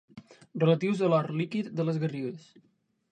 Relatius a l'or líquid de les Garrigues.